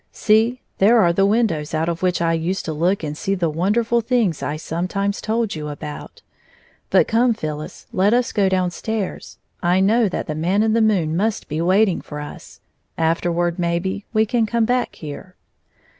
See, there are the windows out of which I used to look and see the wonderful things I sometimes told you about. But, come, Phyllis, let us go down stairs. I know that the Man in the moon must be waiting for us. Afterward, maybe, we can come back here."